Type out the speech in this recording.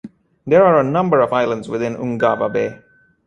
There are a number of islands within Ungava Bay.